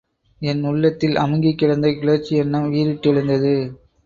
என் உள்ளத்தில் அமுங்கிக் கிடந்த கிளர்ச்சி எண்ணம் வீரிட்டெழுந்தது.